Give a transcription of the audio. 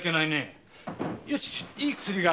よしいい薬がある。